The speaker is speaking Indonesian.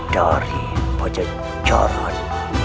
dari pajak jaran